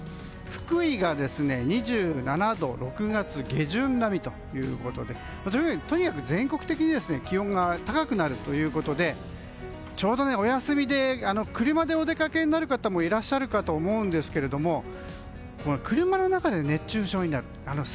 福井が２７度６月下旬並みということでとにかく全国的に気温が高くなるということでちょうどお休みで車でお出かけになる方もいらっしゃるかと思うんですが車の中で熱中症になる。